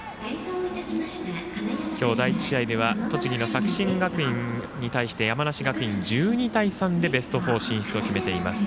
今日、第１試合では栃木の作新学院に対して山梨学院１２対３でベスト４進出を決めています。